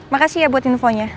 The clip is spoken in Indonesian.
makasih ya buat infonya